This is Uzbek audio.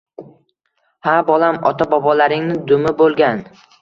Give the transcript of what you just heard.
- Ha bolam, ota-bobolaringni dumi bo'lgan.